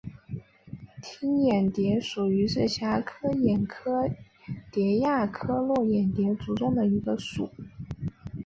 玎眼蝶属是蛱蝶科眼蝶亚科络眼蝶族中的一个属。